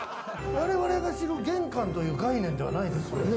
我々が知る玄関という概念ではないですね。